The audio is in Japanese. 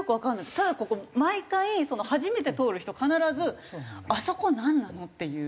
ただここ毎回初めて通る人必ずあそこなんなの？っていう。